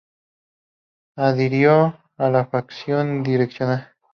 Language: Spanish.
Adhirió a la facción directorial.